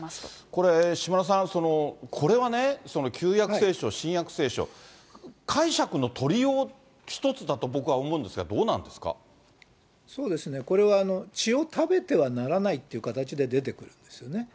これ、島田さん、これはね、旧約聖書、新約聖書、解釈の取りよう一つだと僕は思うんですが、どうなんでそうですね、これは血を食べてはならないという形で出てくるんですよね。